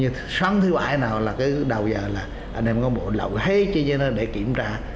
như sáng thứ bảy nào là cái đầu giờ là anh em con bộ lậu hết cho cho nó để kiểm tra